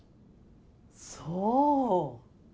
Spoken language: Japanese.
そう。